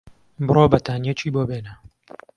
بڕۆ بەتانییەکی بۆ بێنە.